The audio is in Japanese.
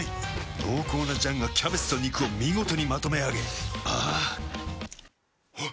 濃厚な醤がキャベツと肉を見事にまとめあげあぁあっ。